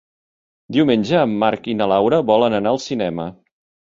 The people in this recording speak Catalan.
Diumenge en Marc i na Laura volen anar al cinema.